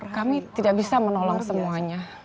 kami tidak bisa menolong semuanya